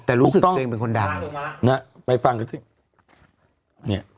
แต่รู้สึกตัวเองเป็นคนดังนะไปฟังกันสิเนี่ย